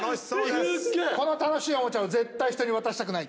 この楽しいおもちゃを絶対人に渡したくない。